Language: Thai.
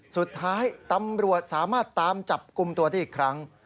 สุดท้ายตำรวจสามารถตามจับกลุ่มตัวได้อีกครั้ง